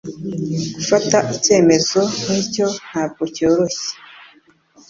Gufata icyemezo nkicyo ntabwo cyoroshye.